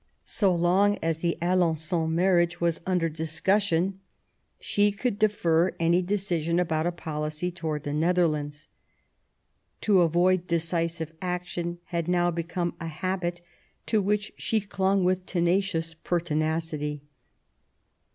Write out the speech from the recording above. So long as the Alen9on marriage was under discussion she could defer any decision about a policy towards the Nether lands. To avoid decisive action had now become a i68 QUEEN ELIZABETH, habit to which she clung with tenacious pertinacity.